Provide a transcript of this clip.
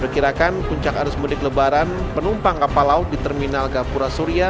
perkirakan puncak arus mudik lebaran penumpang kapal laut di terminal gapura surya